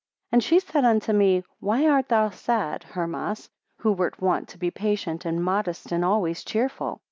18 And she said unto me, Why art thou sad, Hermas, who wert wont to be patient, and modest, and always cheerful?